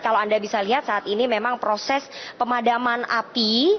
kalau anda bisa lihat saat ini memang proses pemadaman api